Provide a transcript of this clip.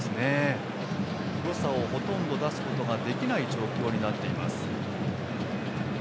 よさをほとんど出すことができない状況になっています。